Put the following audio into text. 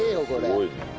すごいね。